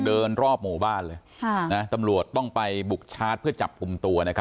เดินรอบหมู่บ้านเลยค่ะนะตำรวจต้องไปบุกชาร์จเพื่อจับกลุ่มตัวนะครับ